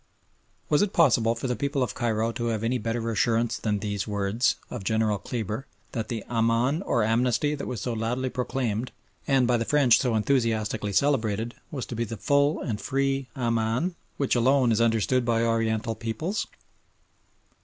Was it possible for the people of Cairo to have any better assurance than these words of General Kleber, that the "Aman," or amnesty, that was so loudly proclaimed and, by the French, so enthusiastically celebrated, was to be the full and free "Aman" which alone is understood by Oriental peoples?